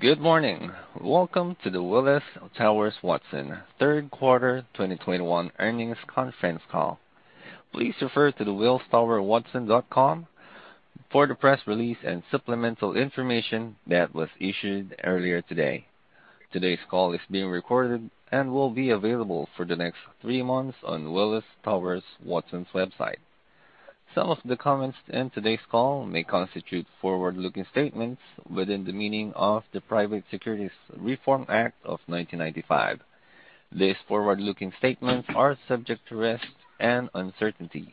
Good morning. Welcome to the Willis Towers Watson Q3 2021 earnings conference call. Please refer to the willistowerswatson.com for the press release and supplemental information that was issued earlier today. Today's call is being recorded and will be available for the next three months on Willis Towers Watson's website. Some of the comments in today's call may constitute forward-looking statements within the meaning of the Private Securities Litigation Reform Act of 1995. These forward-looking statements are subject to risks and uncertainties.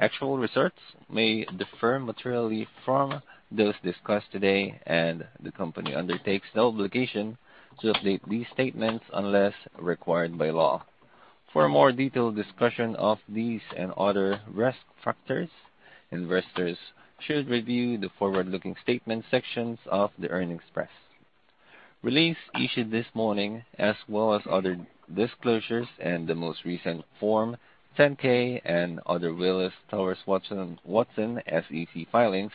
Actual results may differ materially from those discussed today, and the company undertakes no obligation to update these statements unless required by law. For a more detailed discussion of these and other risk factors, investors should review the forward-looking statements sections of the earnings press release issued this morning, as well as other disclosures and the most recent Form 10-K and other Willis Towers Watson SEC filings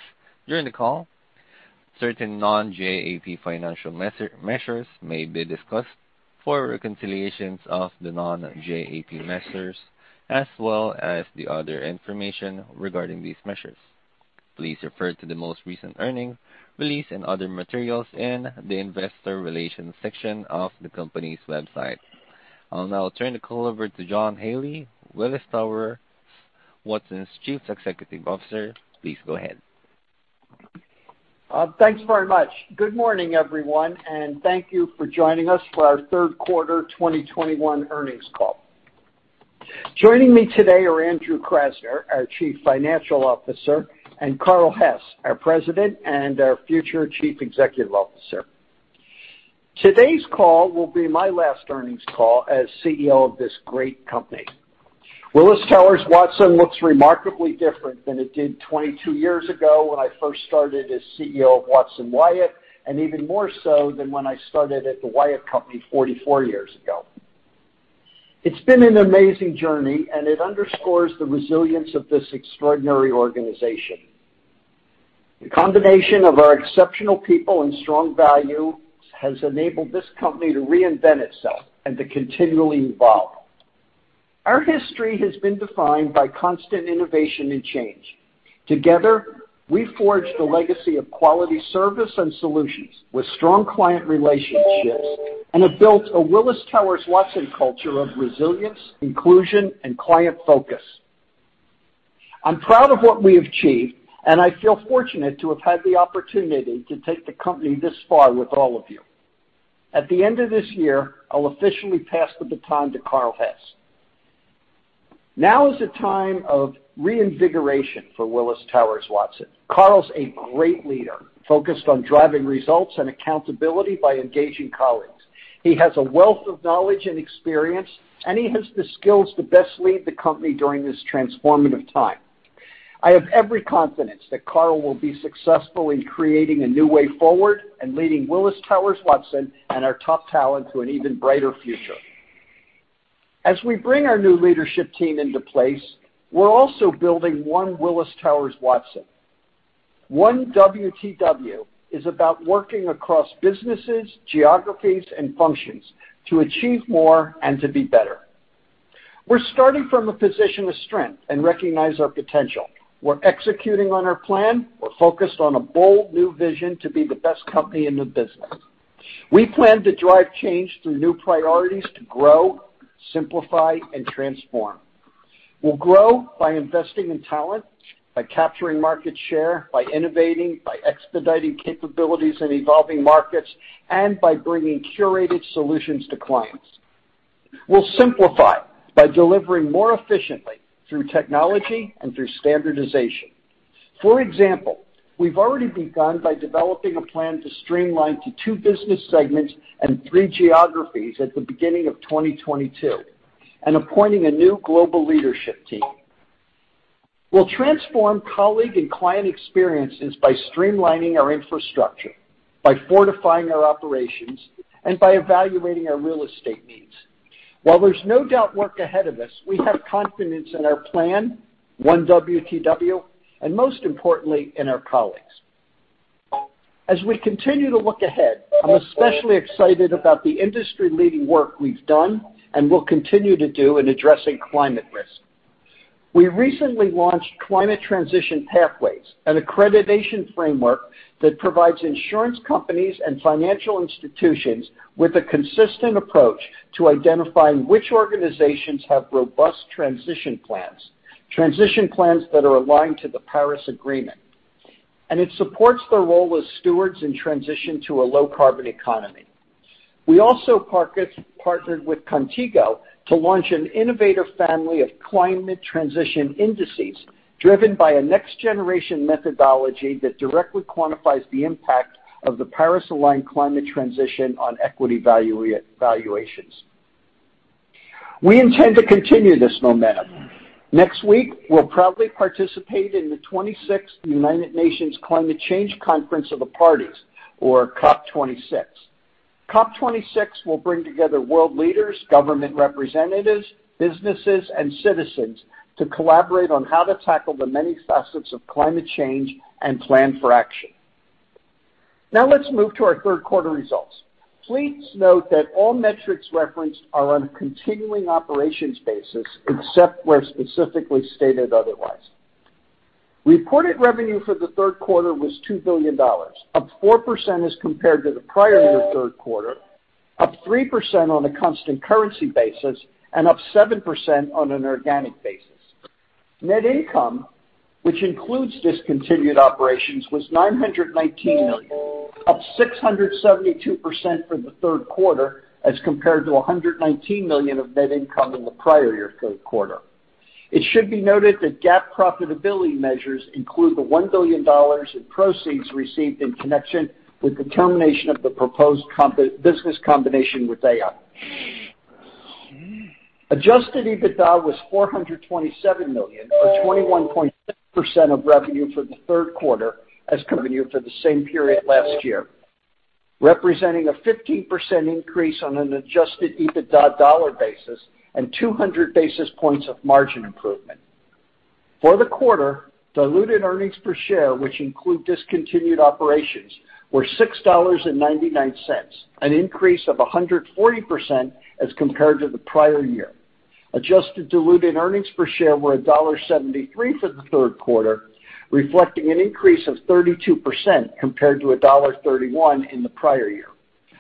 during the call. Certain non-GAAP financial measures may be discussed. For reconciliations of the non-GAAP measures as well as the other information regarding these measures, please refer to the most recent earnings release and other materials in the investor relations section of the company's website. I'll now turn the call over to John Haley, Willis Towers Watson's Chief Executive Officer. Please go ahead. Thanks very much. Good morning, everyone, and thank you for joining us for our third quarter 2021 earnings call. Joining me today are Andrew Krasner, our Chief Financial Officer, and Carl Hess, our President and our future Chief Executive Officer. Today's call will be my last earnings call as CEO of this great company. Willis Towers Watson looks remarkably different than it did 22 years ago when I first started as CEO of Watson Wyatt, and even more so than when I started at the Wyatt Company 44 years ago. It's been an amazing journey, and it underscores the resilience of this extraordinary organization. The combination of our exceptional people and strong values has enabled this company to reinvent itself and to continually evolve. Our history has been defined by constant innovation and change. Together, we forged a legacy of quality service and solutions with strong client relationships and have built a Willis Towers Watson culture of resilience, inclusion, and client focus. I'm proud of what we have achieved, and I feel fortunate to have had the opportunity to take the company this far with all of you. At the end of this year, I'll officially pass the baton to Carl Hess. Now is the time of reinvigoration for Willis Towers Watson. Carl's a great leader, focused on driving results and accountability by engaging colleagues. He has a wealth of knowledge and experience, and he has the skills to best lead the company during this transformative time. I have every confidence that Carl will be successful in creating a new way forward and leading Willis Towers Watson and our top talent to an even brighter future. As we bring our new leadership team into place, we're also building one Willis Towers Watson. One WTW is about working across businesses, geographies, and functions to achieve more and to be better. We're starting from a position of strength and recognize our potential. We're executing on our plan. We're focused on a bold new vision to be the best company in the business. We plan to drive change through new priorities to grow, simplify, and transform. We'll grow by investing in talent, by capturing market share, by innovating, by expediting capabilities in evolving markets, and by bringing curated solutions to clients. We'll simplify by delivering more efficiently through technology and through standardization. For example, we've already begun by developing a plan to streamline to two business segments and three geographies at the beginning of 2022 and appointing a new global leadership team. We'll transform colleague and client experiences by streamlining our infrastructure, by fortifying our operations, and by evaluating our real estate needs. While there's no doubt work ahead of us, we have confidence in our plan, one WTW, and most importantly, in our colleagues. As we continue to look ahead, I'm especially excited about the industry-leading work we've done and will continue to do in addressing climate risk. We recently launched Climate Transition Pathways, an accreditation framework that provides insurance companies and financial institutions with a consistent approach to identifying which organizations have robust transition plans, transition plans that are aligned to the Paris Agreement. It supports their role as stewards in transition to a low-carbon economy. We also partnered with Qontigo to launch an innovative family of climate transition indices driven by a next-generation methodology that directly quantifies the impact of the Paris-aligned climate transition on equity valuations. We intend to continue this momentum. Next week, we'll proudly participate in the 26th UN Climate Change Conference of the Parties or COP26. COP26 will bring together world leaders, government representatives, businesses, and citizens to collaborate on how to tackle the many facets of climate change and plan for action. Now let's move to our third quarter results. Please note that all metrics referenced are on a continuing operations basis except where specifically stated otherwise. Reported revenue for the third quarter was $2 billion, up 4% as compared to the prior year third quarter, up 3% on a constant currency basis, and up 7% on an organic basis. Net income, which includes discontinued operations, was $919 million, up 672% for the third quarter as compared to $119 million of net income in the prior year third quarter. It should be noted that GAAP profitability measures include the $1 billion in proceeds received in connection with the termination of the proposed business combination with Aon. Adjusted EBITDA was $427 million, or 21.6% of revenue for the third quarter as compared to the same period last year, representing a 15% increase on an adjusted EBITDA dollar basis and 200 basis points of margin improvement. For the quarter, diluted earnings per share, which include discontinued operations, were $6.99, an increase of 140% as compared to the prior year. Adjusted diluted earnings per share were $1.73 for the third quarter, reflecting an increase of 32% compared to $1.31 in the prior year.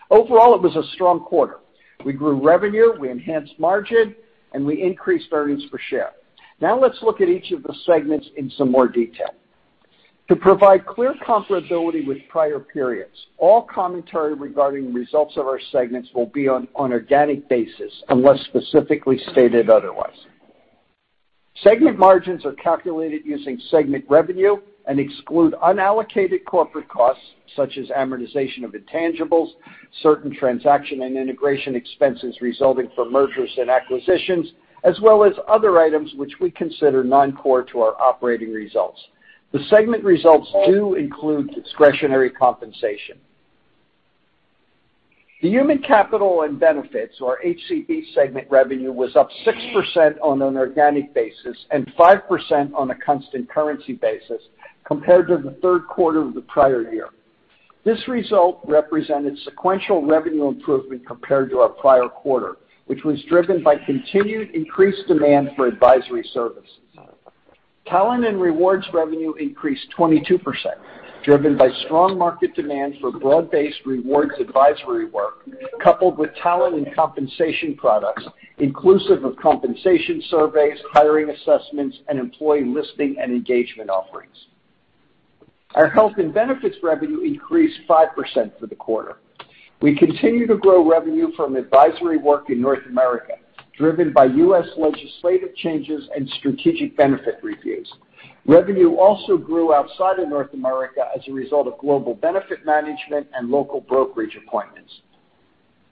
Overall, it was a strong quarter. We grew revenue, we enhanced margin, and we increased earnings per share. Now let's look at each of the segments in some more detail. To provide clear comparability with prior periods, all commentary regarding results of our segments will be on organic basis unless specifically stated otherwise. Segment margins are calculated using segment revenue and exclude unallocated corporate costs such as amortization of intangibles, certain transaction and integration expenses resulting from mergers and acquisitions, as well as other items which we consider non-core to our operating results. The segment results do include discretionary compensation. The Human Capital and Benefits, or HCB segment revenue, was up 6% on an organic basis and 5% on a constant currency basis compared to the third quarter of the prior year. This result represented sequential revenue improvement compared to our prior quarter, which was driven by continued increased demand for advisory services. Talent and rewards revenue increased 22%, driven by strong market demand for broad-based rewards advisory work, coupled with talent and compensation products, inclusive of compensation surveys, hiring assessments, and employee listing and engagement offerings. Our health and benefits revenue increased 5% for the quarter. We continue to grow revenue from advisory work in North America, driven by U.S. legislative changes and strategic benefit reviews. Revenue also grew outside of North America as a result of global benefit management and local brokerage appointments.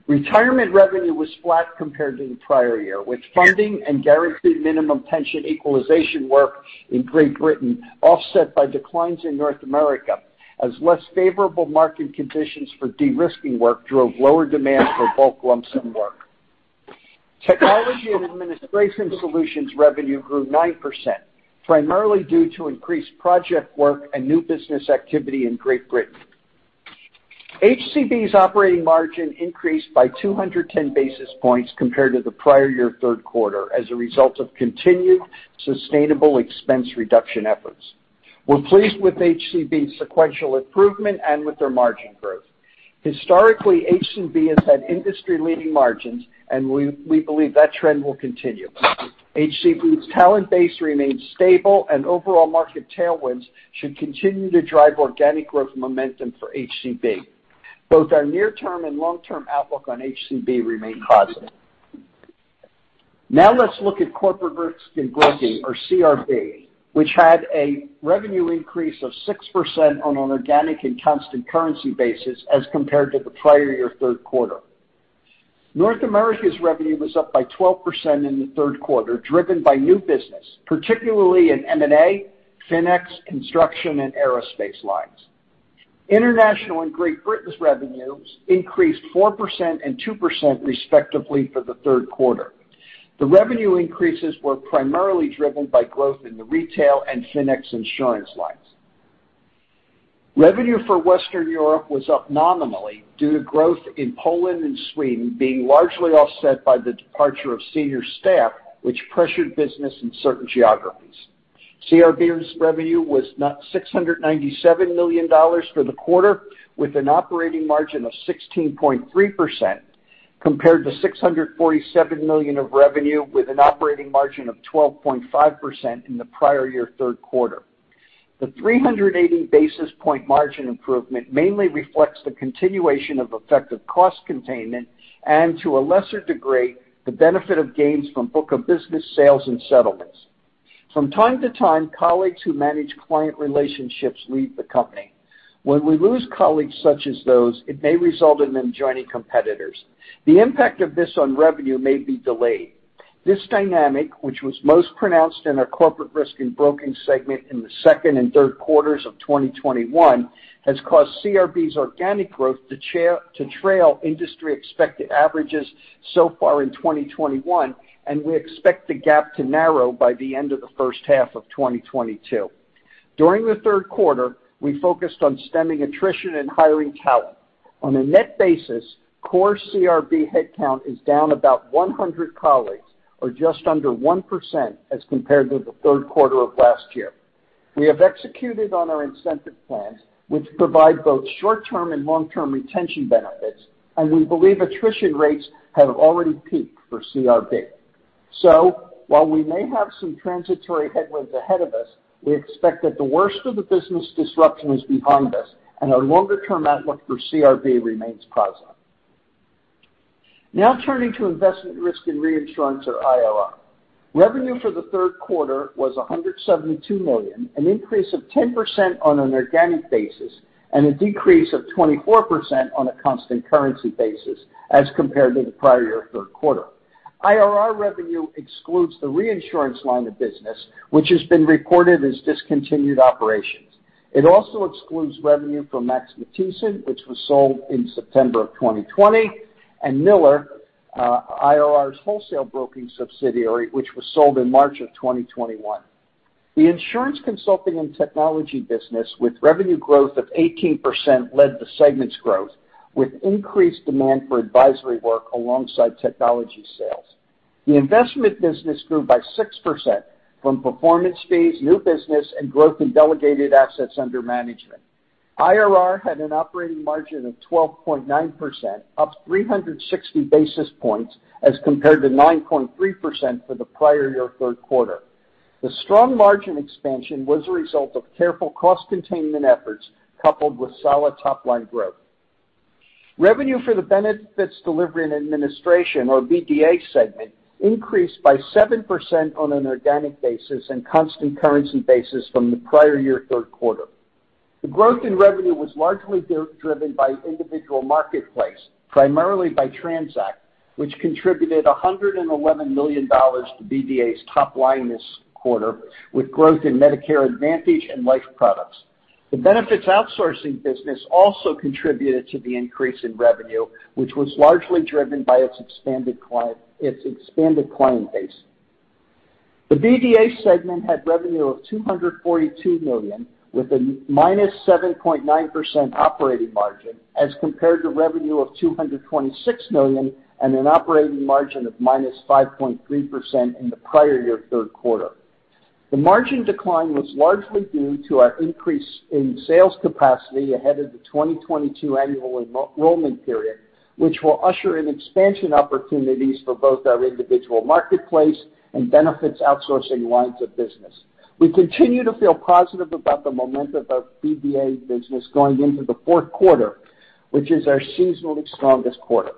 Retirement revenue was flat compared to the prior year, with funding and guaranteed minimum pension equalization work in Great Britain offset by declines in North America as less favorable market conditions for de-risking work drove lower demand for bulk lump sum work. Technology and administration solutions revenue grew 9%, primarily due to increased project work and new business activity in Great Britain. HCB's operating margin increased by 210 basis points compared to the prior year third quarter as a result of continued sustainable expense reduction efforts. We're pleased with HCB's sequential improvement and with their margin growth. Historically, HCB has had industry-leading margins, and we believe that trend will continue. HCB's talent base remains stable and overall market tailwinds should continue to drive organic growth momentum for HCB. Both our near-term and long-term outlook on HCB remain positive. Now let's look at Corporate Risk and Broking, or CRB, which had a revenue increase of 6% on an organic and constant currency basis as compared to the prior year third quarter. North America's revenue was up by 12% in the third quarter, driven by new business, particularly in M&A, FINEX, construction, and aerospace lines. International and Great Britain's revenues increased 4% and 2% respectively for the third quarter. The revenue increases were primarily driven by growth in the retail and FINEX insurance lines. Revenue for Western Europe was up nominally due to growth in Poland and Sweden being largely offset by the departure of senior staff, which pressured business in certain geographies. CRB's revenue was $697 million for the quarter, with an operating margin of 16.3%, compared to $647 million of revenue with an operating margin of 12.5% in the prior-year third quarter. The 380 basis point margin improvement mainly reflects the continuation of effective cost containment and, to a lesser degree, the benefit of gains from book of business sales and settlements. From time to time, colleagues who manage client relationships leave the company. When we lose colleagues such as those, it may result in them joining competitors. The impact of this on revenue may be delayed. This dynamic, which was most pronounced in our Corporate Risk and Broking segment in the second and third quarters of 2021, has caused CRB's organic growth to trail industry expected averages so far in 2021, and we expect the gap to narrow by the end of the first half of 2022. During the third quarter, we focused on stemming attrition and hiring talent. On a net basis, core CRB headcount is down about 100 colleagues, or just under 1% as compared to the third quarter of last year. We have executed on our incentive plans, which provide both short-term and long-term retention benefits, and we believe attrition rates have already peaked for CRB. While we may have some transitory headwinds ahead of us, we expect that the worst of the business disruption is behind us, and our longer-term outlook for CRB remains positive. Now turning to investment risk and reinsurance, or IRR. Revenue for the third quarter was $172 million, an increase of 10% on an organic basis, and a decrease of 24% on a constant currency basis as compared to the prior year third quarter. IRR revenue excludes the reinsurance line of business, which has been recorded as discontinued operations. It also excludes revenue from Max Matthiessen, which was sold in September 2020, and Miller, IRR's wholesale broking subsidiary, which was sold in March 2021. The insurance consulting and technology business with revenue growth of 18% led the segment's growth, with increased demand for advisory work alongside technology sales. The investment business grew by 6% from performance fees, new business, and growth in delegated assets under management. IRR had an operating margin of 12.9%, up 360 basis points as compared to 9.3% for the prior year third quarter. The strong margin expansion was a result of careful cost containment efforts, coupled with solid top-line growth. Revenue for the Benefits Delivery and Administration, or BDA segment, increased by 7% on an organic basis and constant currency basis from the prior year third quarter. The growth in revenue was largely driven by individual marketplace, primarily by TRANZACT, which contributed $111 million to BDA's top line this quarter, with growth in Medicare Advantage and life products. The benefits outsourcing business also contributed to the increase in revenue, which was largely driven by its expanded client base. The BDA segment had revenue of $242 million, with a minus 7.9% operating margin, as compared to revenue of $226 million and an operating margin of minus 5.3% in the prior year third quarter. The margin decline was largely due to our increase in sales capacity ahead of the 2022 annual enrollment period, which will usher in expansion opportunities for both our individual marketplace and benefits outsourcing lines of business. We continue to feel positive about the momentum of BDA business going into the fourth quarter, which is our seasonally strongest quarter.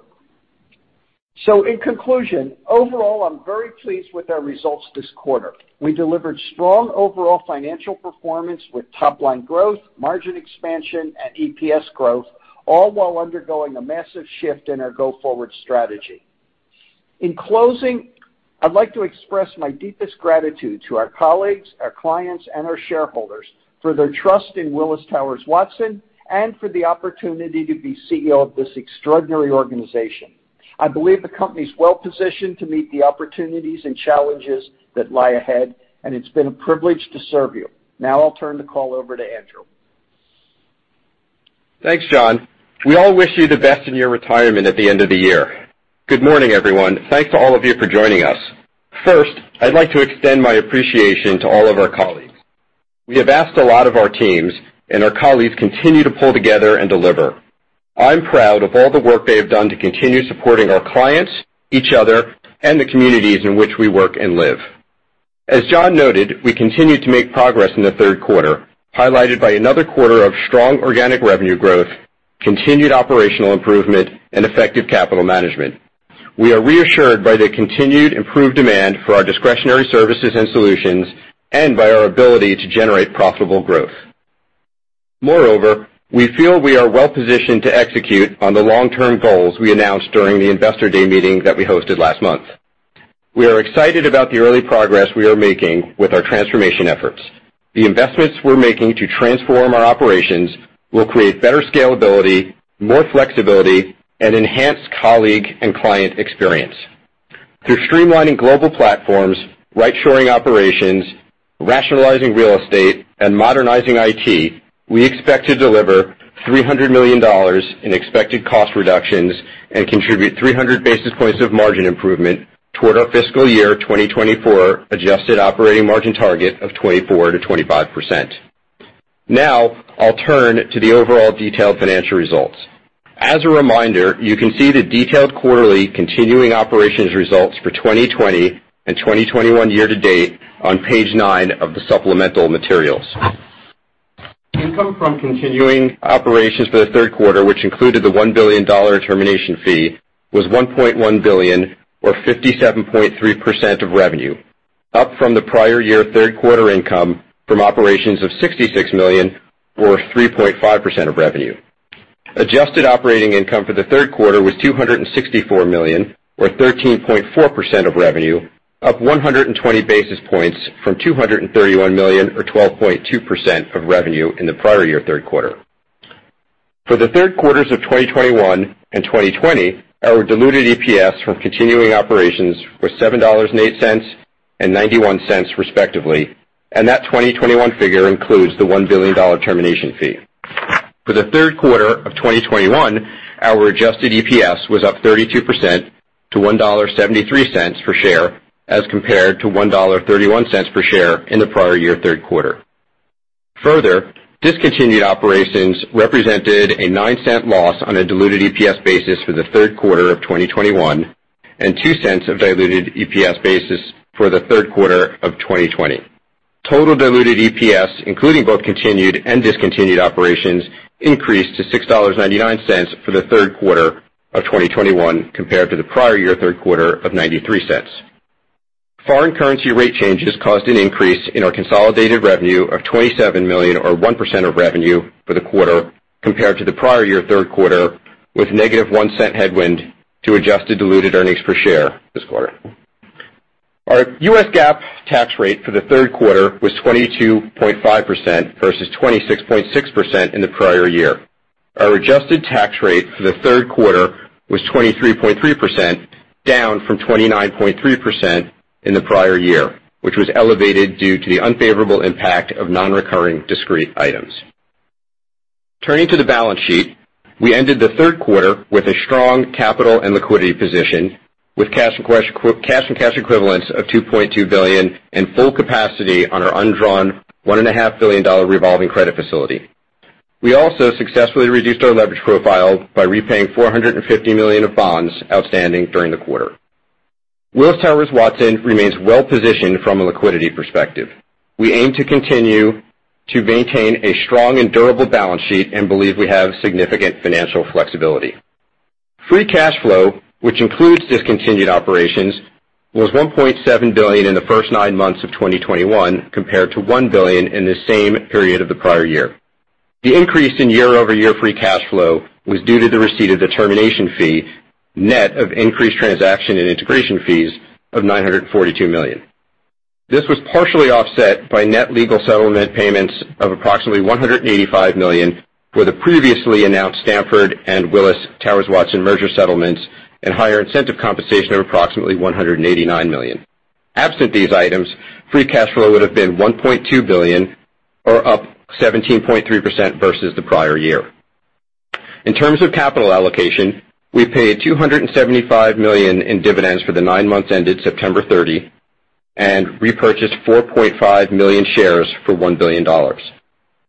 In conclusion, overall, I'm very pleased with our results this quarter. We delivered strong overall financial performance with top-line growth, margin expansion, and EPS growth, all while undergoing a massive shift in our go-forward strategy. In closing, I'd like to express my deepest gratitude to our colleagues, our clients, and our shareholders for their trust in Willis Towers Watson, and for the opportunity to be CEO of this extraordinary organization. I believe the company is well positioned to meet the opportunities and challenges that lie ahead, and it's been a privilege to serve you. Now I'll turn the call over to Andrew. Thanks, John. We all wish you the best in your retirement at the end of the year. Good morning, everyone. Thanks to all of you for joining us. First, I'd like to extend my appreciation to all of our colleagues. We have asked a lot of our teams, and our colleagues continue to pull together and deliver. I'm proud of all the work they have done to continue supporting our clients, each other, and the communities in which we work and live. As John noted, we continue to make progress in the third quarter, highlighted by another quarter of strong organic revenue growth, continued operational improvement, and effective capital management. We are reassured by the continued improved demand for our discretionary services and solutions and by our ability to generate profitable growth. Moreover, we feel we are well positioned to execute on the long-term goals we announced during the Investor Day meeting that we hosted last month. We are excited about the early progress we are making with our transformation efforts. The investments we're making to transform our operations will create better scalability, more flexibility, and enhanced colleague and client experience. Through streamlining global platforms, right shoring operations, rationalizing real estate, and modernizing IT, we expect to deliver $300 million in expected cost reductions and contribute 300 basis points of margin improvement toward our fiscal year 2024 adjusted operating margin target of 24%-25%. Now, I'll turn to the overall detailed financial results. As a reminder, you can see the detailed quarterly continuing operations results for 2020 and 2021 year to date on page nine of the supplemental materials. Income from continuing operations for the third quarter, which included the $1 billion termination fee, was $1.1 billion or 57.3% of revenue, up from the prior year third quarter income from operations of $66 million or 3.5% of revenue. Adjusted operating income for the third quarter was $264 million, or 13.4% of revenue, up 120 basis points from $231 million or 12.2% of revenue in the prior year third quarter. For the third quarters of 2021 and 2020, our diluted EPS from continuing operations was $7.08 and $0.91 respectively, and that 2021 figure includes the $1 billion termination fee. For the third quarter of 2021, our adjusted EPS was up 32% to $1.73 per share as compared to $1.31 per share in the prior-year third quarter. Further, discontinued operations represented a $0.09 loss on a diluted EPS basis for the third quarter of 2021 and $0.02 of diluted EPS basis for the third quarter of 2020. Total diluted EPS, including both continued and discontinued operations, increased to $6.99 for the third quarter of 2021 compared to the prior-year third quarter of $0.93. Foreign currency rate changes caused an increase in our consolidated revenue of $27 million or 1% of revenue for the quarter compared to the prior-year third quarter, with -$0.01 headwind to adjusted diluted earnings per share this quarter. Our U.S. GAAP tax rate for the third quarter was 22.5% versus 26.6% in the prior year. Our adjusted tax rate for the third quarter was 23.3%, down from 29.3% in the prior year, which was elevated due to the unfavorable impact of non-recurring discrete items. Turning to the balance sheet. We ended the third quarter with a strong capital and liquidity position with cash and cash equivalents of $2.2 billion in full capacity on our undrawn $1.5 billion revolving credit facility. We also successfully reduced our leverage profile by repaying $450 million of bonds outstanding during the quarter. Willis Towers Watson remains well-positioned from a liquidity perspective. We aim to continue to maintain a strong and durable balance sheet and believe we have significant financial flexibility. Free cash flow, which includes discontinued operations, was $1.7 billion in the first nine months of 2021 compared to $1 billion in the same period of the prior year. The increase in year-over-year free cash flow was due to the receipt of the termination fee, net of increased transaction and integration fees of $942 million. This was partially offset by net legal settlement payments of approximately $185 million for the previously announced Stanford and Willis Towers Watson merger settlements and higher incentive compensation of approximately $189 million. Absent these items, free cash flow would have been $1.2 billion or up 17.3% versus the prior year. In terms of capital allocation, we paid $275 million in dividends for the nine months ended September 30 and repurchased 4.5 million shares for $1 billion.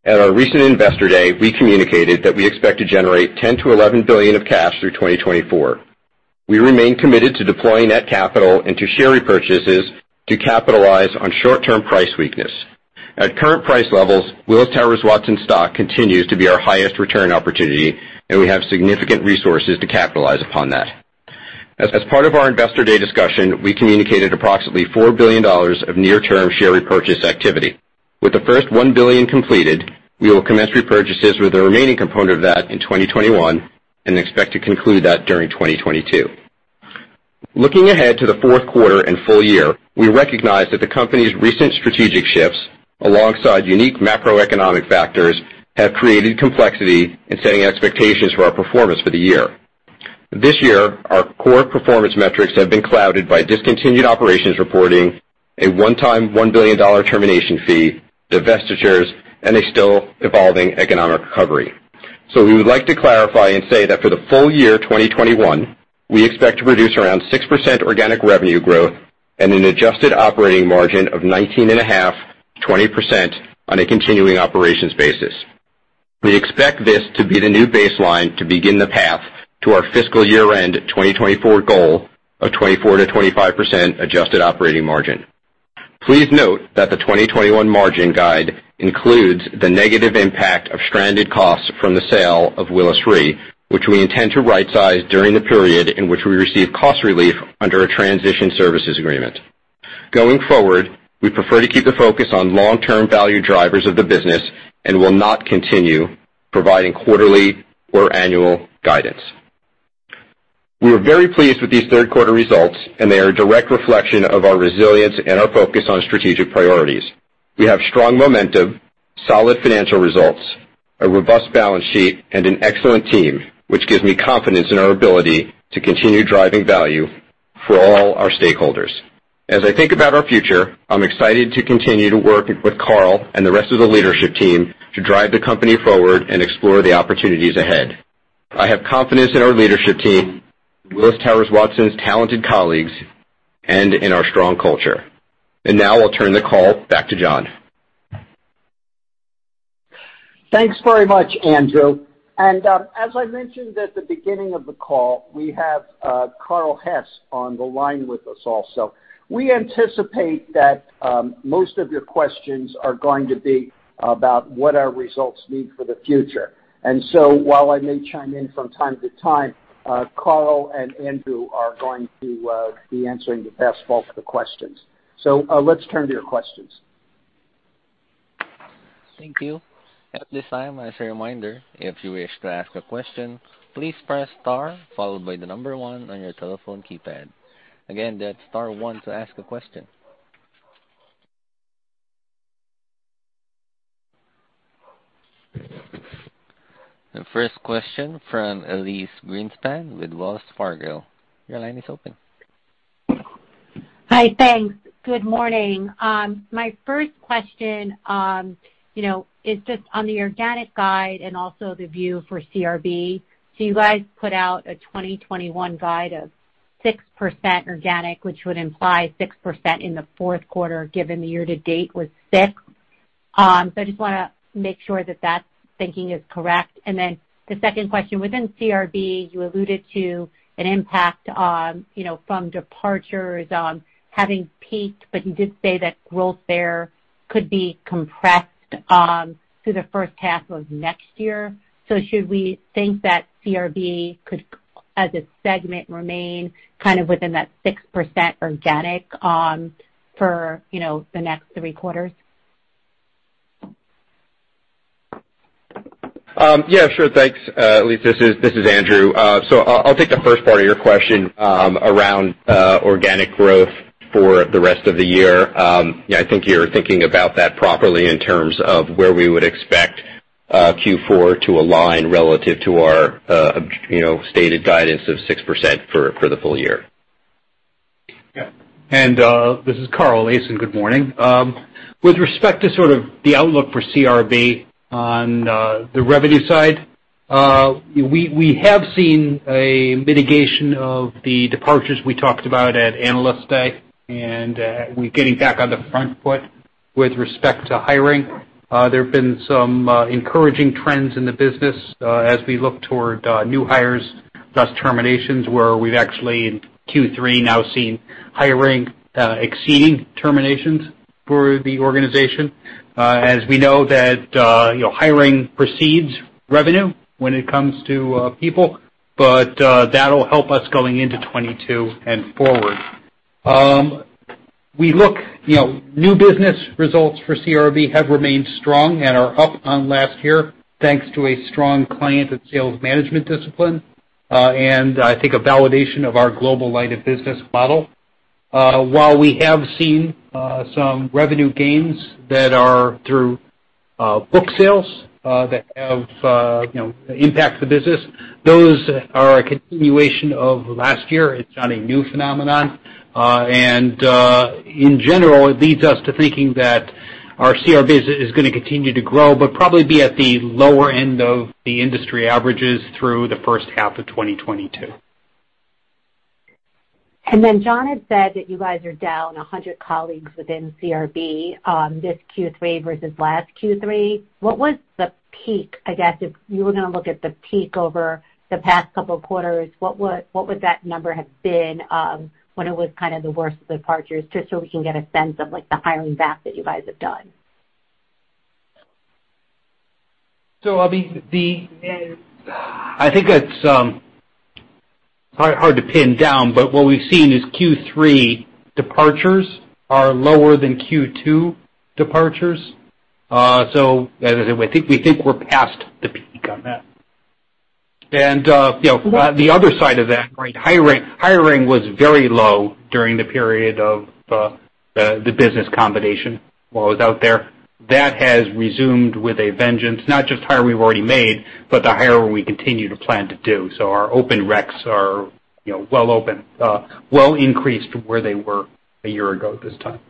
At our recent Investor Day, we communicated that we expect to generate $10 billion-$11 billion of cash through 2024. We remain committed to deploying net capital into share repurchases to capitalize on short-term price weakness. At current price levels, Willis Towers Watson stock continues to be our highest return opportunity, and we have significant resources to capitalize upon that. As part of our Investor Day discussion, we communicated approximately $4 billion of near-term share repurchase activity. With the first $1 billion completed, we will commence repurchases with the remaining component of that in 2021 and expect to conclude that during 2022. Looking ahead to the fourth quarter and full year, we recognize that the company's recent strategic shifts, alongside unique macroeconomic factors, have created complexity in setting expectations for our performance for the year. This year, our core performance metrics have been clouded by discontinued operations reporting, a one-time $1 billion termination fee, divestitures, and a still evolving economic recovery. We would like to clarify and say that for the full year 2021, we expect to produce around 6% organic revenue growth and an adjusted operating margin of 19.5%-20% on a continuing operations basis. We expect this to be the new baseline to begin the path to our fiscal year-end 2024 goal of 24%-25% adjusted operating margin. Please note that the 2021 margin guide includes the negative impact of stranded costs from the sale of Willis Re, which we intend to rightsize during the period in which we receive cost relief under a transition services agreement. Going forward, we prefer to keep the focus on long-term value drivers of the business and will not continue providing quarterly or annual guidance. We are very pleased with these third quarter results, and they are a direct reflection of our resilience and our focus on strategic priorities. We have strong momentum, solid financial results, a robust balance sheet, and an excellent team, which gives me confidence in our ability to continue driving value for all our stakeholders. As I think about our future, I'm excited to continue to work with Carl and the rest of the leadership team to drive the company forward and explore the opportunities ahead. I have confidence in our leadership team, Willis Towers Watson's talented colleagues, and in our strong culture. Now I'll turn the call back to John. Thanks very much, Andrew. As I mentioned at the beginning of the call, we have Carl Hess on the line with us also. We anticipate that most of your questions are going to be about what our results mean for the future. While I may chime in from time to time, Carl and Andrew are going to be answering the vast bulk of the questions. Let's turn to your questions. Thank you. At this time, as a reminder, if you wish to ask a question, please press star followed by the number one on your telephone keypad. Again, that's star one to ask a question. The first question from Elyse Greenspan with Wells Fargo. Your line is open. Hi. Thanks. Good morning. My first question, you know, is just on the organic guide and also the view for CRB. You guys put out a 2021 guide of 6% organic, which would imply 6% in the fourth quarter, given the year to date was 6%. I just wanna make sure that that thinking is correct. Then the second question, within CRB, you alluded to an impact on, you know, from departures, having peaked, but you did say that growth there could be compressed through the first half of next year. Should we think that CRB could, as a segment, remain kind of within that 6% organic, for, you know, the next three quarters? Yeah, sure. Thanks, Elyse. This is Andrew. So I'll take the first part of your question around organic growth for the rest of the year. Yeah, I think you're thinking about that properly in terms of where we would expect Q4 to align relative to our you know stated guidance of 6% for the full year. Yeah, this is Carl Hess. Good morning. With respect to sort of the outlook for CRB on the revenue side, we have seen a mitigation of the departures we talked about at Analyst Day, and we're getting back on the front foot with respect to hiring. There have been some encouraging trends in the business as we look toward new hires versus terminations, where we've actually in Q3 now seen hiring exceeding terminations for the organization, as we know that you know, hiring precedes revenue when it comes to people, but that'll help us going into 2022 and forward. We look, you know, at new business results for CRB have remained strong and are up on last year, thanks to a strong client and sales management discipline, and I think a validation of our global line of business model. While we have seen some revenue gains that are through book sales that have, you know, impact the business, those are a continuation of last year. It's not a new phenomenon. In general, it leads us to thinking that our CRB is gonna continue to grow, but probably be at the lower end of the industry averages through the first half of 2022. John had said that you guys are down 100 colleagues within CRB, this Q3 versus last Q3. What was the peak, I guess, if you were gonna look at the peak over the past couple of quarters, what would that number have been, when it was kind of the worst departures, just so we can get a sense of, like, the hiring back that you guys have done? I think it's hard to pin down, but what we've seen is Q3 departures are lower than Q2 departures. As I said, we think we're past the peak on that. You know, the other side of that, right? Hiring was very low during the period of the business combination while I was out there. That has resumed with a vengeance, not just hiring we've already made, but the hiring we continue to plan to do. Our open reqs are, you know, well above where they were a year ago at this time.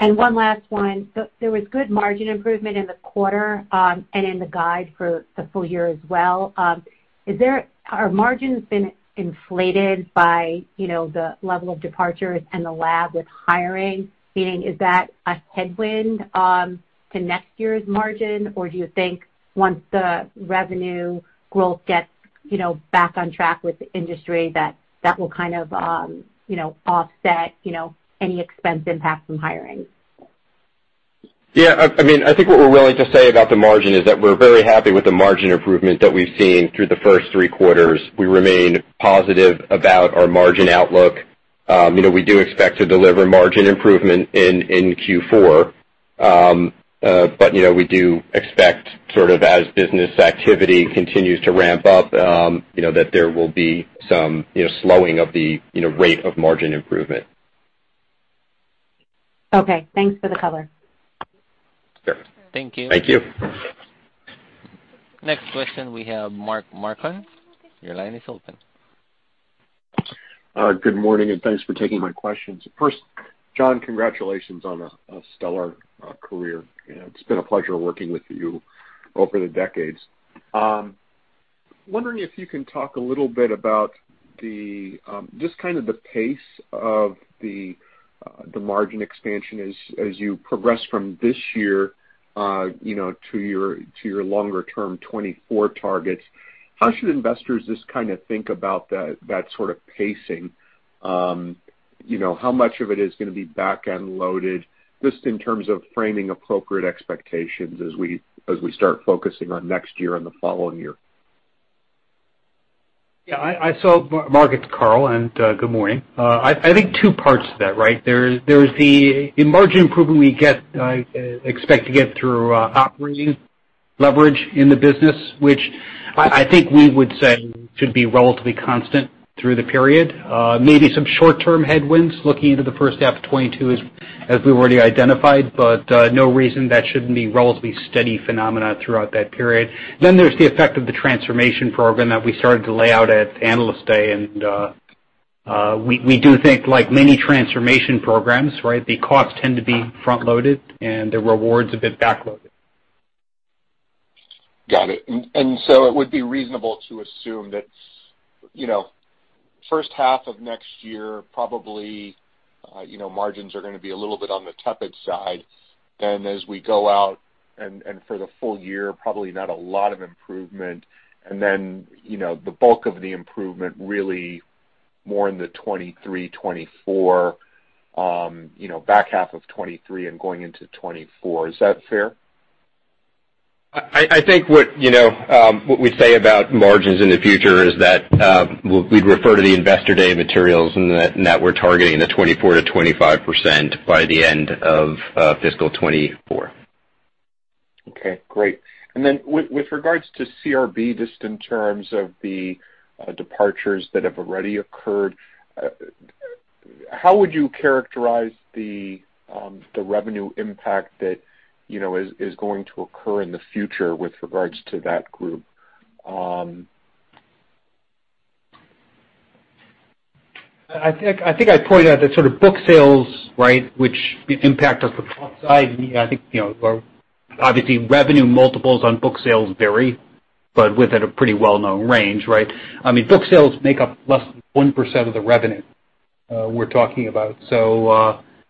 One last one. There was good margin improvement in the quarter, and in the guide for the full year as well. Are margins been inflated by, you know, the level of departures and the lag with hiring, meaning is that a headwind to next year's margin? Or do you think once the revenue growth gets, you know, back on track with the industry, that will kind of, you know, offset, you know, any expense impact from hiring? Yeah. I mean, I think what we're willing to say about the margin is that we're very happy with the margin improvement that we've seen through the first three quarters. We remain positive about our margin outlook. You know, we do expect to deliver margin improvement in Q4. But you know, we do expect sort of as business activity continues to ramp up, you know, that there will be some, you know, slowing of the, you know, rate of margin improvement. Okay. Thanks for the color. Sure. Thank you. Thank you. Next question we have Mark Marcon. Your line is open. Good morning, and thanks for taking my questions. First, John, congratulations on a stellar career. You know, it's been a pleasure working with you over the decades. Wondering if you can talk a little bit about just kind of the pace of the margin expansion as you progress from this year, you know, to your longer term 2024 targets. How should investors just kinda think about that sort of pacing? You know, how much of it is gonna be backend loaded just in terms of framing appropriate expectations as we start focusing on next year and the following year? Yeah, I saw Mark, it's Carl, and good morning. I think two parts to that, right? There is the margin improvement we expect to get through operating leverage in the business, which I think we would say should be relatively constant through the period. Maybe some short-term headwinds looking into the first half of 2022 as we've already identified, but no reason that shouldn't be relatively steady phenomena throughout that period. Then there's the effect of the transformation program that we started to lay out at Analyst Day, and we do think like many transformation programs, right, the costs tend to be front-loaded and the rewards a bit back-loaded. Got it. It would be reasonable to assume that, you know, first half of next year, probably, you know, margins are gonna be a little bit on the tepid side. As we go out for the full year, probably not a lot of improvement. You know, the bulk of the improvement really more in the 2023, 2024, you know, back half of 2023 and going into 2024. Is that fair? I think you know what we say about margins in the future is that we'd refer to the Investor Day materials and that we're targeting 24%-25% by the end of fiscal 2024. Okay, great. Then with regards to CRB, just in terms of the departures that have already occurred, how would you characterize the revenue impact that, you know, is going to occur in the future with regards to that group? I think I pointed out that sort of book sales, right, which impact us upside, I think, you know, obviously revenue multiples on book sales vary, but within a pretty well-known range, right? I mean, book sales make up less than 1% of the revenue we're talking about.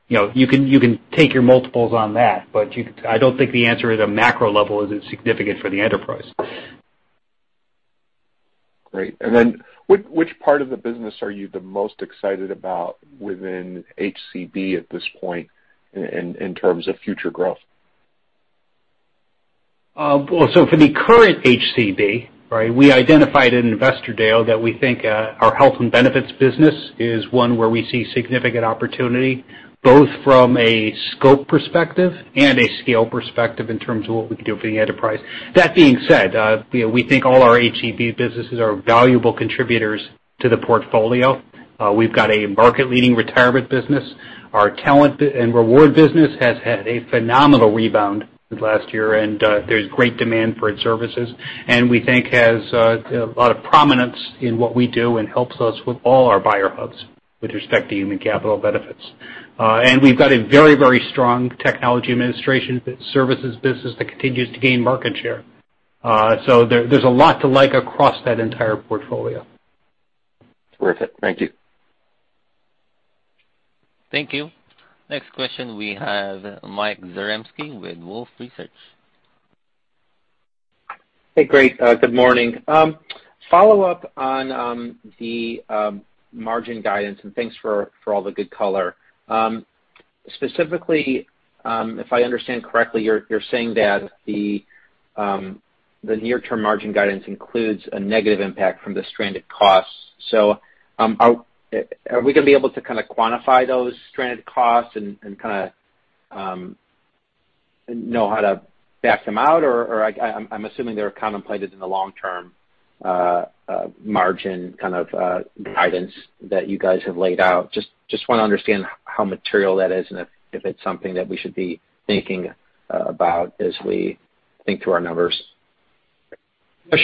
You know, you can take your multiples on that, but I don't think the answer at a macro level is it's significant for the enterprise. Great. Which part of the business are you the most excited about within HCB at this point in terms of future growth? Well, for the current HCB, right, we identified at Investor Day that we think our health and benefits business is one where we see significant opportunity, both from a scope perspective and a scale perspective in terms of what we can do for the enterprise. That being said, you know, we think all our HCB businesses are valuable contributors to the portfolio. We've got a market-leading retirement business. Our talent and reward business has had a phenomenal rebound last year, and there's great demand for its services, and we think has a lot of prominence in what we do and helps us with all our buyer hubs with respect to human capital benefits. We've got a very, very strong technology administration services business that continues to gain market share. There's a lot to like across that entire portfolio. Perfect. Thank you. Thank you. Next question we have Mike Zaremski with Wolfe Research. Hey, great. Good morning. Follow up on the margin guidance, and thanks for all the good color. Specifically, if I understand correctly, you're saying that the near-term margin guidance includes a negative impact from the stranded costs. Are we gonna be able to kinda quantify those stranded costs and kinda know how to back them out? Or I'm assuming they're contemplated in the long-term margin kind of guidance that you guys have laid out. Just wanna understand how material that is and if it's something that we should be thinking about as we think through our numbers.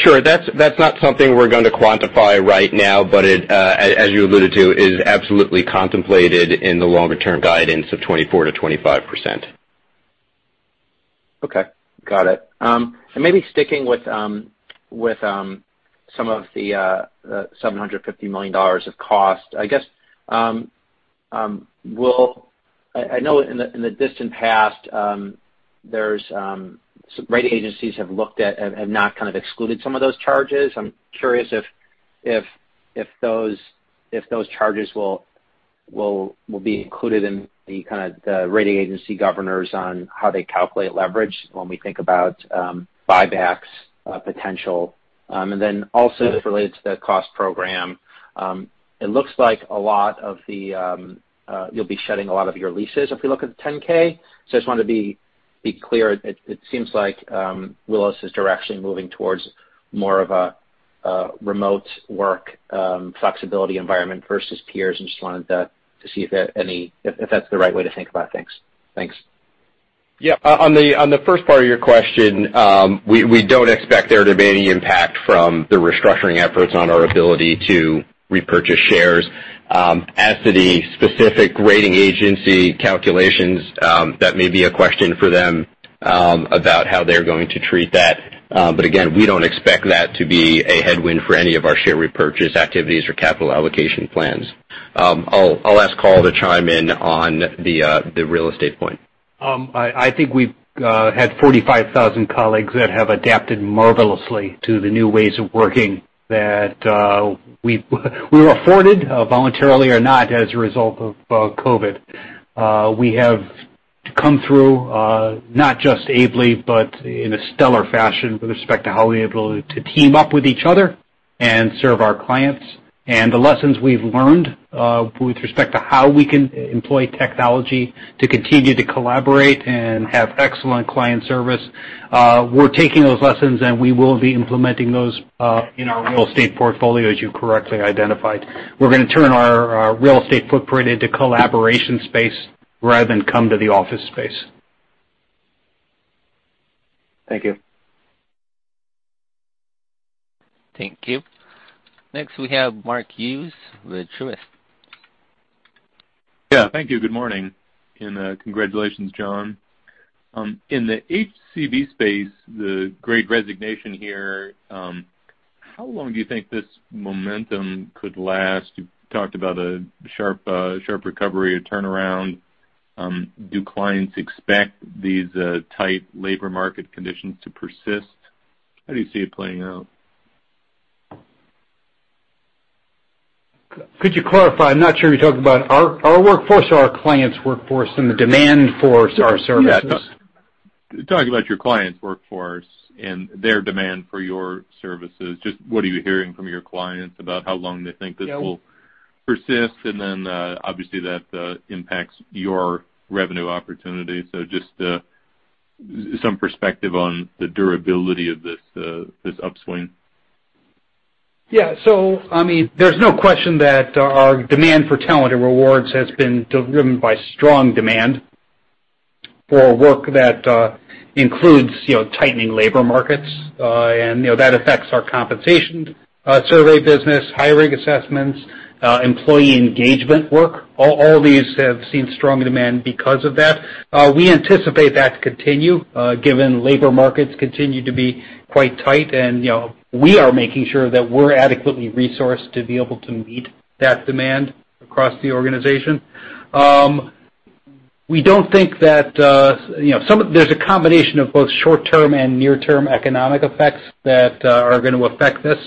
Sure. That's not something we're gonna quantify right now, but it, as you alluded to, is absolutely contemplated in the longer-term guidance of 24%-25%. Okay. Got it. Maybe sticking with some of the $750 million of cost, I guess. I know in the distant past, some rating agencies have looked at and not kind of excluded some of those charges. I'm curious if those charges will be included in the kind of the rating agency guidelines on how they calculate leverage when we think about buybacks potential. Then also as it relates to the cost program, it looks like a lot of, you'll be shedding a lot of your leases if we look at the 10-K. I just wanted to be clear. It seems like Willis is directionally moving toward more of a remote work flexibility environment versus peers, and just wanted to see if that's the right way to think about things. Thanks. On the first part of your question, we don't expect there to be any impact from the restructuring efforts on our ability to repurchase shares. As to the specific rating agency calculations, that may be a question for them about how they're going to treat that. Again, we don't expect that to be a headwind for any of our share repurchase activities or capital allocation plans. I'll ask Carl to chime in on the real estate point. I think we've had 45,000 colleagues that have adapted marvelously to the new ways of working that we were afforded, voluntarily or not, as a result of COVID. We have to come through, not just ably but in a stellar fashion with respect to how we're able to team up with each other and serve our clients. The lessons we've learned with respect to how we can employ technology to continue to collaborate and have excellent client service, we're taking those lessons, and we will be implementing those in our real estate portfolio, as you correctly identified. We're gonna turn our real estate footprint into collaboration space rather than come to the office space. Thank you. Thank you. Next, we have Mark Hughes with Truist. Yeah. Thank you. Good morning. Congratulations, John. In the HCB space, the Great Resignation here, how long do you think this momentum could last? You talked about a sharp recovery, a turnaround. Do clients expect these tight labor market conditions to persist? How do you see it playing out? Could you clarify? I'm not sure you're talking about our workforce or our clients' workforce and the demand for our services. Yeah. Talking about your clients' workforce and their demand for your services. Just what are you hearing from your clients about how long they think this will- Yeah. Persist? Obviously, that impacts your revenue opportunity. Just some perspective on the durability of this upswing. Yeah. I mean, there's no question that our demand for talent and rewards has been driven by strong demand for work that includes, you know, tightening labor markets. You know, that affects our compensation survey business, hiring assessments, employee engagement work. All these have seen strong demand because of that. We anticipate that to continue, given labor markets continue to be quite tight. You know, we are making sure that we're adequately resourced to be able to meet that demand across the organization. We don't think that, you know, there's a combination of both short-term and near-term economic effects that are gonna affect this.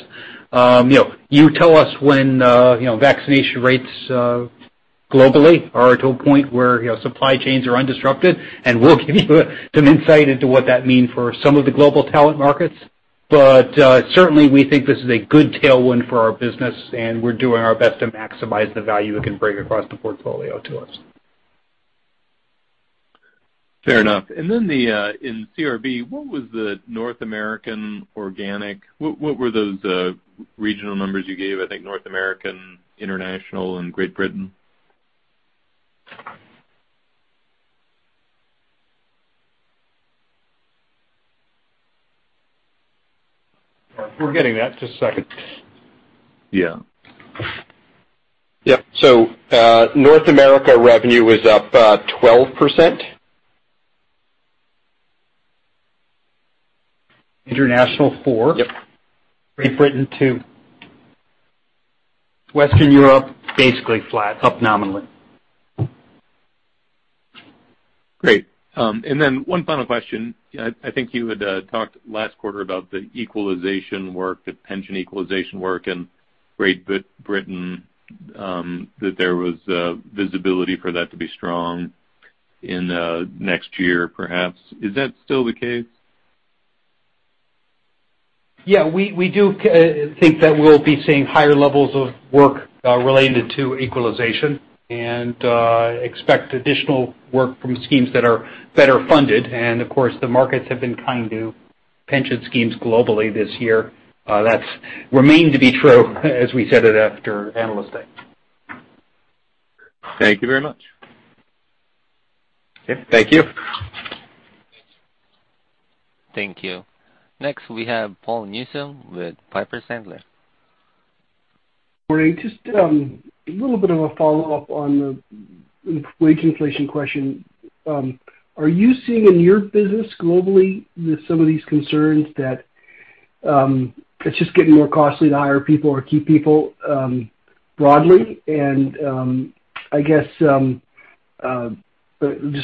You know, you tell us when, you know, vaccination rates, globally are to a point where, you know, supply chains are undisrupted, and we'll give you some insight into what that mean for some of the global talent markets. Certainly, we think this is a good tailwind for our business, and we're doing our best to maximize the value it can bring across the portfolio to us. Fair enough. In CRB, what was the North American organic? What were those regional numbers you gave, I think North American, International and Great Britain? We're getting that. Just a second. Yeah. Yeah. North America revenue was up 12%. International, 4%. Yep. Great Britain, 2%. Western Europe, basically flat, up nominally. Great. One final question. I think you had talked last quarter about the equalization work, the pension equalization work in Great Britain, that there was visibility for that to be strong in next year, perhaps. Is that still the case? Yeah. We do think that we'll be seeing higher levels of work related to equalization and expect additional work from schemes that are better funded. Of course, the markets have been kind to pension schemes globally this year. That's remained to be true as we said it after Analyst Day. Thank you very much. Okay. Thank you. Thank you. Next, we have Paul Newsome with Piper Sandler. Morning. Just a little bit of a follow-up on the wage inflation question. Are you seeing in your business globally some of these concerns that it's just getting more costly to hire people or keep people broadly? I guess just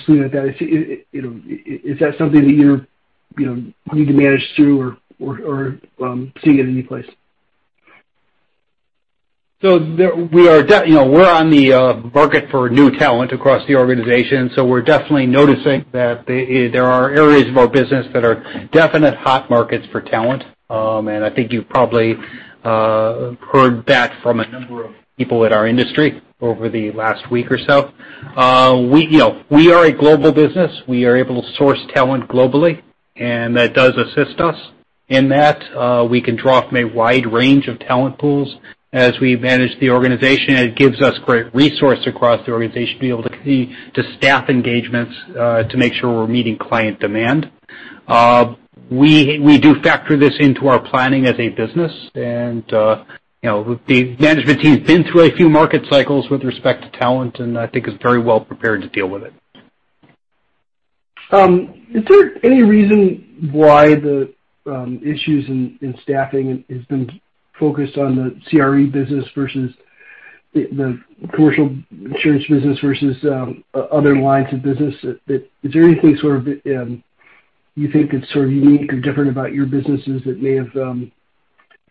looking at that, you know, is that something that you're you know need to manage through or seeing it any place? You know, we're on the market for new talent across the organization, so we're definitely noticing that there are areas of our business that are definite hot markets for talent. I think you've probably heard that from a number of people in our industry over the last week or so. You know, we are a global business. We are able to source talent globally, and that does assist us in that. We can draw from a wide range of talent pools as we manage the organization, and it gives us great resource across the organization to be able to staff engagements to make sure we're meeting client demand. We do factor this into our planning as a business. You know, the management team's been through a few market cycles with respect to talent, and I think is very well prepared to deal with it. Is there any reason why the issues in staffing has been focused on the CRB business versus the commercial insurance business versus other lines of business? Is there anything sort of you think it's sort of unique or different about your businesses that may have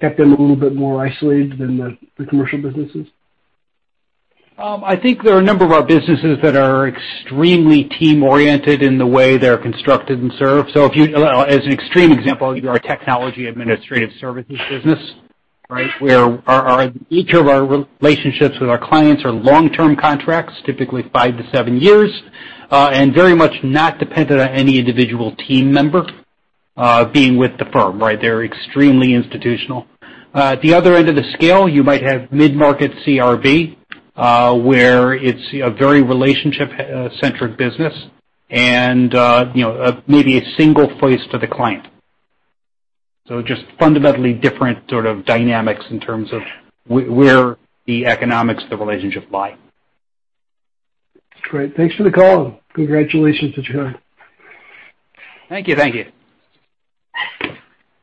kept them a little bit more isolated than the commercial businesses? I think there are a number of our businesses that are extremely team-oriented in the way they're constructed and served. As an extreme example, your technology administrative services business, right? Where our each of our relationships with our clients are long-term contracts, typically five to seven years, and very much not dependent on any individual team member being with the firm, right? They're extremely institutional. At the other end of the scale, you might have mid-market CRB, where it's, you know, a very relationship-centric business and, you know, a maybe a single face to the client. Just fundamentally different sort of dynamics in terms of where the economics of the relationship lie. Great. Thanks for the call. Congratulations, that you had. Thank you. Thank you.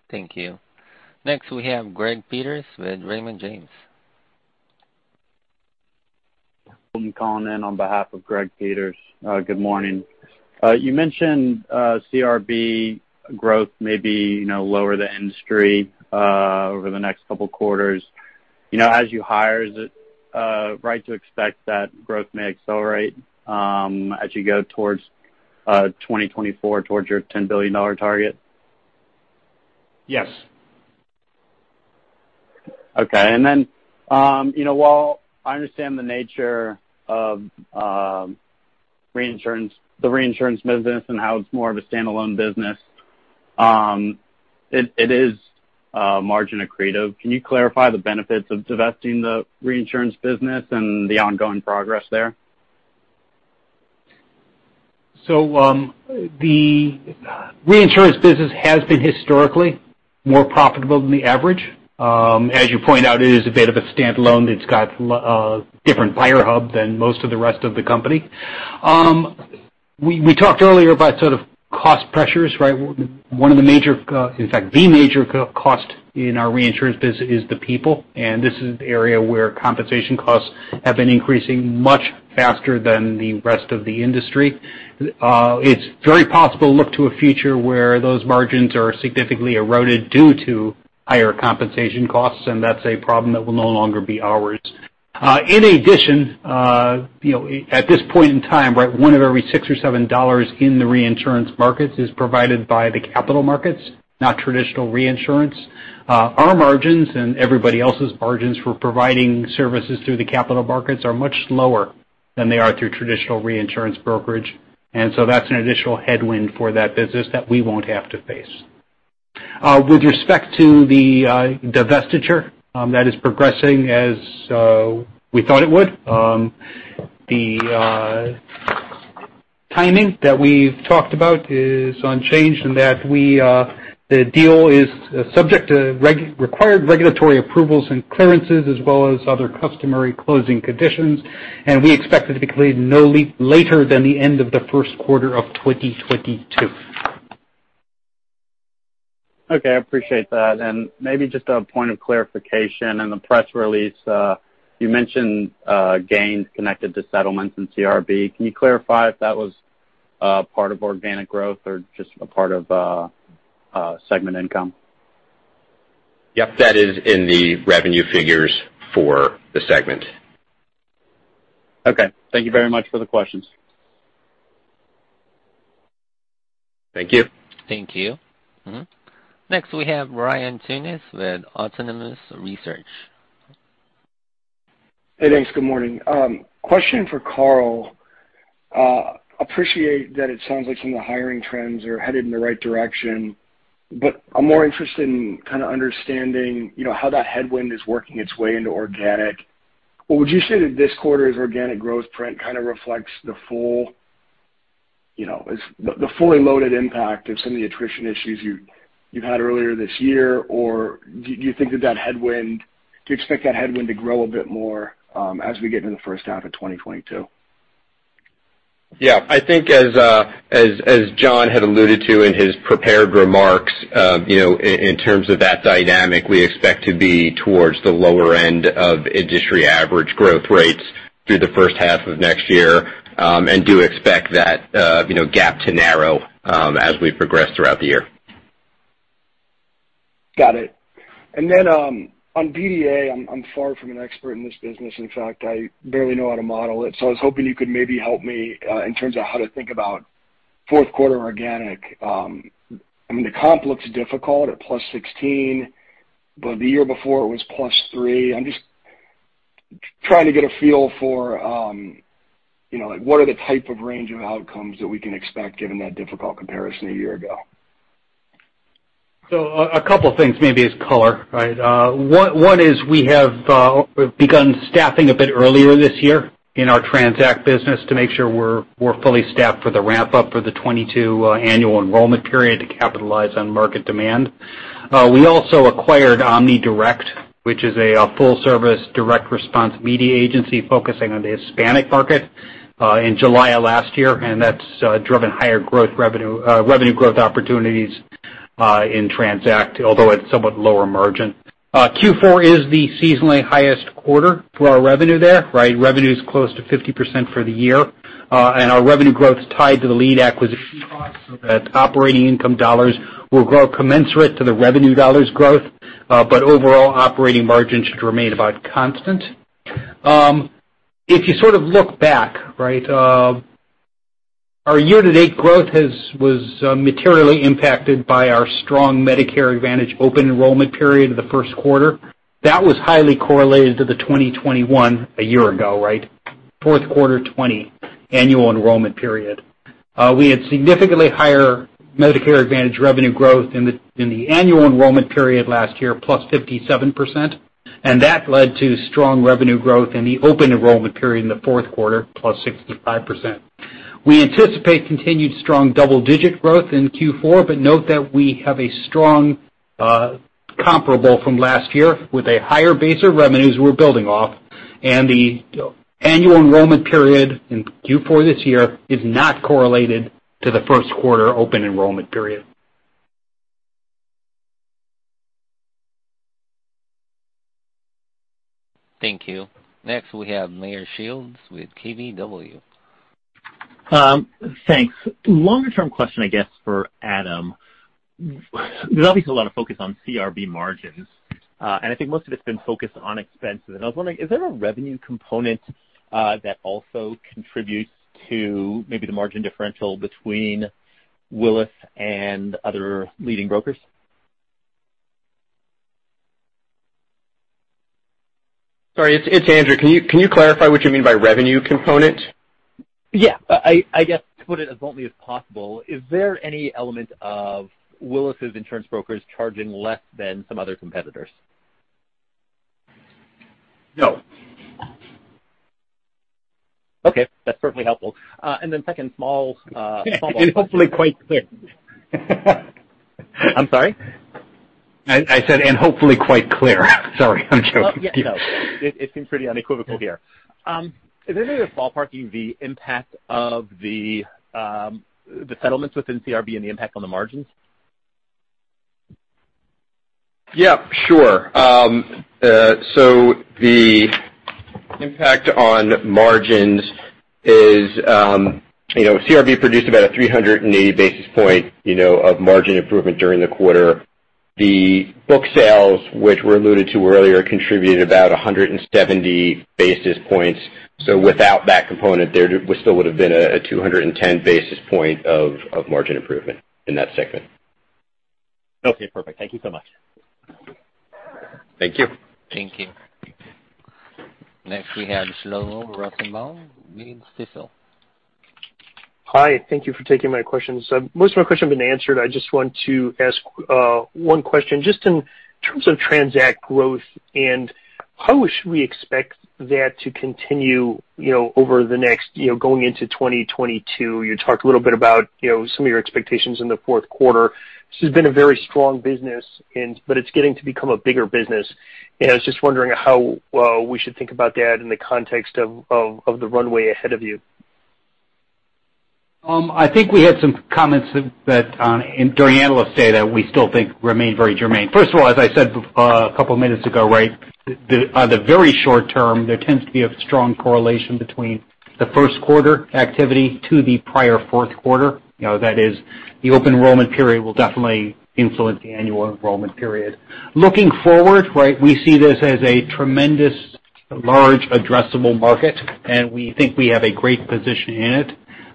Thank you. Next, we have Greg Peters with Raymond James. I'm calling in on behalf of Greg Peters. Good morning. You mentioned CRB growth may be, you know, lower than industry over the next couple quarters. You know, as you hire, is it right to expect that growth may accelerate as you go towards 2024 towards your $10 billion target? Yes. Okay. You know, while I understand the nature of reinsurance, the reinsurance business and how it's more of a standalone business, it is margin accretive. Can you clarify the benefits of divesting the reinsurance business and the ongoing progress there? The reinsurance business has been historically more profitable than the average. As you point out, it is a bit of a standalone. It's got different buyer hub than most of the rest of the company. We talked earlier about sort of cost pressures, right? One of the major, in fact, the major cost in our reinsurance business is the people, and this is the area where compensation costs have been increasing much faster than the rest of the industry. It's very possible to look to a future where those margins are significantly eroded due to higher compensation costs, and that's a problem that will no longer be ours. In addition, you know, at this point in time, right, $1 of every $6 or $7 in the reinsurance markets is provided by the capital markets, not traditional reinsurance Our margins and everybody else's margins for providing services through the capital markets are much lower than they are through traditional reinsurance brokerage. That's an additional headwind for that business that we won't have to face. With respect to the divestiture, that is progressing as we thought it would. The timing that we've talked about is unchanged in that the deal is subject to required regulatory approvals and clearances as well as other customary closing conditions. We expect it to be completed no later than the end of the first quarter of 2022. Okay. I appreciate that. Maybe just a point of clarification. In the press release, you mentioned gains connected to settlements in CRB. Can you clarify if that was part of organic growth or just a part of segment income? Yep. That is in the revenue figures for the segment. Okay. Thank you very much for the questions. Thank you. Thank you. Next, we have Ryan Tunis with Autonomous Research. Hey, thanks. Good morning. Question for Carl. Appreciate that it sounds like some of the hiring trends are headed in the right direction, but I'm more interested in kind of understanding, you know, how that headwind is working its way into organic. Well, would you say that this quarter's organic growth trend kind of reflects the full, you know, the fully loaded impact of some of the attrition issues you had earlier this year? Or do you think that headwind do you expect that headwind to grow a bit more, as we get into the first half of 2022? Yeah. I think as John had alluded to in his prepared remarks, you know, in terms of that dynamic, we expect to be towards the lower end of industry average growth rates through the first half of next year, and do expect that, you know, gap to narrow, as we progress throughout the year. Got it. On BDA, I'm far from an expert in this business. In fact, I barely know how to model it. I was hoping you could maybe help me in terms of how to think about fourth quarter organic. I mean, the comp looks difficult at +16%, but the year before it was +3%. I'm just trying to get a feel for, you know, like what are the type of range of outcomes that we can expect given that difficult comparison a year ago? A couple things maybe as color, right? One is we have begun staffing a bit earlier this year in our TRANZACT business to make sure we're fully staffed for the ramp up for the 2022 annual enrollment period to capitalize on market demand. We also acquired Omni Direct, which is a full service direct response media agency focusing on the Hispanic market in July of last year, and that's driven higher revenue growth opportunities in TRANZACT, although it's somewhat lower margin. Q4 is the seasonally highest quarter for our revenue there, right? Revenue is close to 50% for the year. Our revenue growth is tied to the lead acquisition costs so that operating income dollars will grow commensurate to the revenue dollars growth. Overall operating margin should remain about constant. If you sort of look back, our year-to-date growth was materially impacted by our strong Medicare Advantage open enrollment period in the first quarter. That was highly correlated to the 2021 a year ago, right? Fourth quarter 2020 annual enrollment period. We had significantly higher Medicare Advantage revenue growth in the annual enrollment period last year, +57%, and that led to strong revenue growth in the open enrollment period in the fourth quarter, +65%. We anticipate continued strong double-digit growth in Q4, but note that we have a strong comparable from last year with a higher base of revenues we're building off, and the annual enrollment period in Q4 this year is not correlated to the first quarter open enrollment period. Thank you. Next, we have Meyer Shields with KBW. Thanks. Longer-term question, I guess, for Adam. There's obviously a lot of focus on CRB margins, and I think most of it's been focused on expenses. I was wondering, is there a revenue component that also contributes to maybe the margin differential between Willis and other leading brokers? Sorry, it's Andrew. Can you clarify what you mean by revenue component? Yeah. I guess, to put it as bluntly as possible, is there any element of Willis' insurance brokers charging less than some other competitors? No. Okay. That's certainly helpful. Second small- Hopefully quite clear. I'm sorry? I said, hopefully quite clear. Sorry. I'm joking. Yeah. No. It seems pretty unequivocal here. Is there any way of ballparking the impact of the settlements within CRB and the impact on the margins? Yeah, sure. The impact on margins is, you know, CRB produced about 380 basis points of margin improvement during the quarter. The book sales, which were alluded to earlier, contributed about 170 basis points. Without that component, there still would have been a 210 basis points of margin improvement in that segment. Okay, perfect. Thank you so much. Thank you. Thank you. Next, we have Shlomo Rosenbaum with Stifel. Hi. Thank you for taking my questions. Most of my questions have been answered. I just want to ask one question just in terms of TRANZACT growth and how should we expect that to continue, you know, over the next, you know, going into 2022. You talked a little bit about, you know, some of your expectations in the fourth quarter. This has been a very strong business, but it's getting to become a bigger business. I was just wondering how we should think about that in the context of the runway ahead of you. I think we had some comments that during Analyst Day that we still think remain very germane. First of all, as I said a couple of minutes ago, right, on the very short term, there tends to be a strong correlation between the first quarter activity to the prior fourth quarter. You know, that is, the open enrollment period will definitely influence the annual enrollment period. Looking forward, right, we see this as a tremendous large addressable market, and we think we have a great position in it.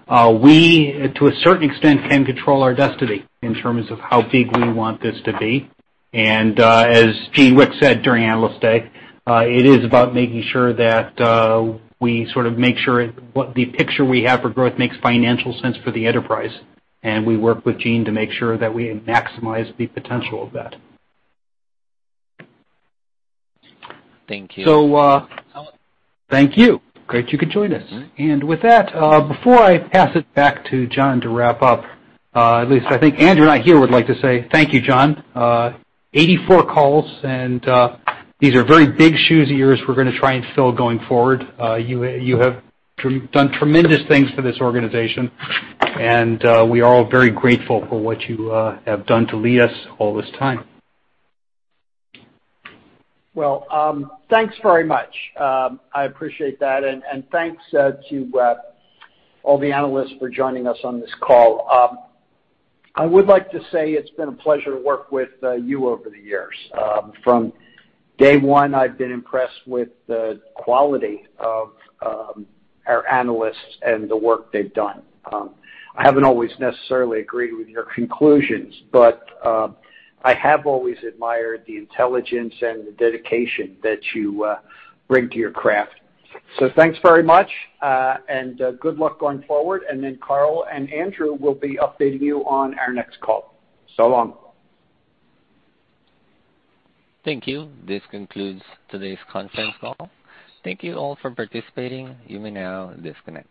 We, to a certain extent, can control our destiny in terms of how big we want this to be. As Gene Wickes said during Analyst Day, it is about making sure that we sort of make sure what the picture we have for growth makes financial sense for the enterprise. We work with Gene to make sure that we maximize the potential of that. Thank you. So, uh- Thank you. Great that you could join us. With that, before I pass it back to John to wrap up, at least I think Andrew and I here would like to say thank you, John. 84 calls, and these are very big shoes of yours we're gonna try and fill going forward. You have done tremendous things for this organization, and we are all very grateful for what you have done to lead us all this time. Well, thanks very much. I appreciate that. Thanks to all the analysts for joining us on this call. I would like to say it's been a pleasure to work with you over the years. From day one, I've been impressed with the quality of our analysts and the work they've done. I haven't always necessarily agreed with your conclusions, but I have always admired the intelligence and the dedication that you bring to your craft. Thanks very much, and good luck going forward. Carl and Andrew will be updating you on our next call. So long. Thank you. This concludes today's conference call. Thank you all for participating. You may now disconnect.